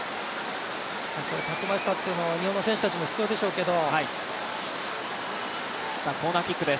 そういうたくましさというのは日本の選手たちも必要でしょうけど。